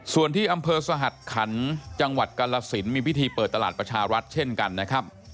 ส่วนที่อำเภอสหัสขันจังหวัดกาลสินมีพิธีเปิดตลาดประชารัฐเช่นกันนะครับ